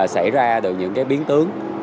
xảy ra được những biến tướng